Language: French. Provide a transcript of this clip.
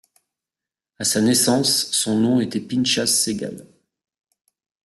À sa naissance son nom était Pinchas Segal.